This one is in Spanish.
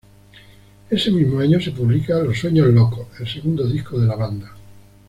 Ese mismo año se publica ‘Los sueños locos’, el segundo disco de la banda.